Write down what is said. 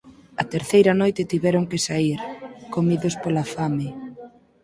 A terceira noite tiveron que saír, comidos pola fame.